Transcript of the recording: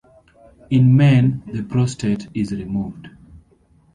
In men, the prostate is removed.